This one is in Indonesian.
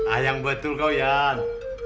ah yang betul kau yan